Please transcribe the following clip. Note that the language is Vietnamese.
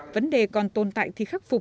vấn đề còn tồn tại thì khắc phục